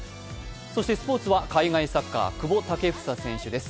そしてスポーツは海外サッカー、久保建英選手です。